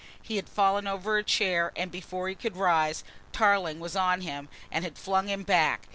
He had fallen over a chair and before he could rise Tarling was on him and had flung him back.